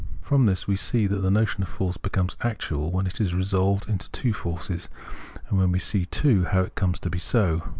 ^ From this we see that the notion of Force becomes actual when resolved into two forces, and we see too how it comes to be so.